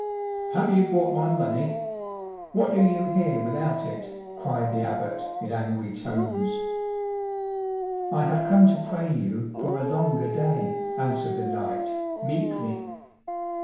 "Have you brought my money? What do you here without it?" cried the Abbot in angry tones. "I have come to pray you for a longer day," answered the knight, meekly.